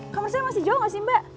kamar saya masih jauh nggak sih mbak